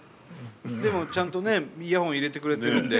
でもちゃんとねイヤホン入れてくれてるんで。